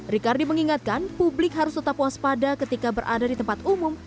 rikardi mengingatkan publik harus tetap waspada ketika berada di tempat umum